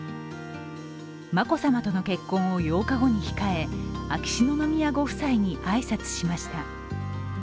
眞子さまとの結婚を８日後に控え秋篠宮ご夫妻に挨拶しました。